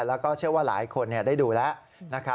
แล้วก็เชื่อว่าหลายคนได้ดูแล้ว